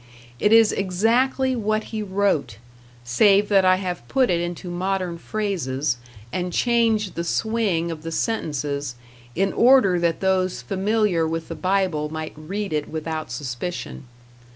It is exactly what he wrote save that I have put it into modern phrases, and changed the swing of the sentences, in order that those familiar with the Bible might read it without suspicion.